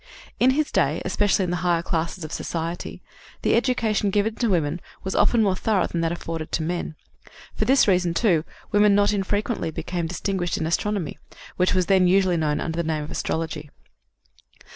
In his day, especially in the higher classes of society, the education given to women was often more thorough than that afforded to men. For this reason, too, women not infrequently became distinguished in astronomy, which was then usually known under the name of astrology.